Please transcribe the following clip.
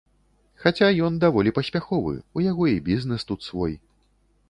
Хаця ён даволі паспяховы, у яго і бізнэс тут свой.